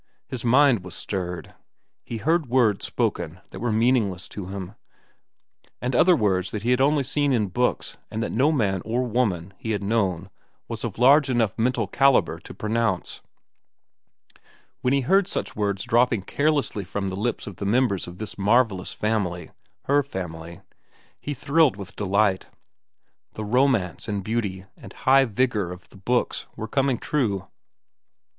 His mind was stirred. He heard words spoken that were meaningless to him, and other words that he had seen only in books and that no man or woman he had known was of large enough mental caliber to pronounce. When he heard such words dropping carelessly from the lips of the members of this marvellous family, her family, he thrilled with delight. The romance, and beauty, and high vigor of the books were coming true.